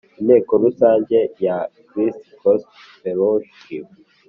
Inteko rusange ya christ gospel fellowhip